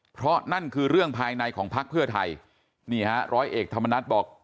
เพราะนั่นคือเรื่องภายในของพักเพื่อไทยนี่ฮะร้อยเอกธรรมนัฐบอก